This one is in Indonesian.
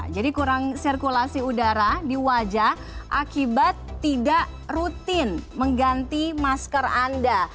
jadi kurang sirkulasi udara di wajah akibat tidak rutin mengganti masker anda